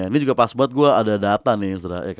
ini juga pas buat gue ada data nih